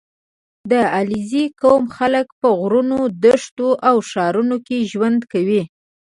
• د علیزي قوم خلک په غرونو، دښتو او ښارونو کې ژوند کوي.